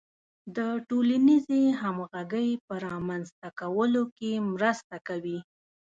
د ټولنیزې همغږۍ په رامنځته کولو کې مرسته کوي.